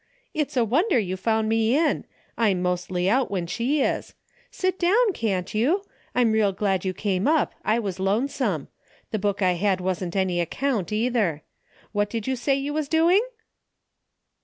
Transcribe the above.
" It's a wonder you found me in. I'm mostly out when she is. Sit down, can't you ? I'm real glad you come up, I was lonesome. The book I had wasn't any account either. What did you say you was doing